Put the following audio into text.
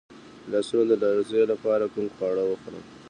د لاسونو د لرزې لپاره کوم خواړه وخورم؟